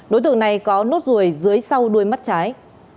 đối tượng này có nốt ruồi dưới sau đuôi mắt trái